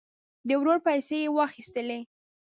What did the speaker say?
د ورور پیسې یې واخیستلې.